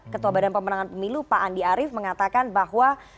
ketua badan pemenangan pemilu pak andi arief mengatakan bahwa